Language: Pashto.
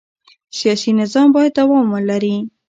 سیاسي نظام باید دوام ولري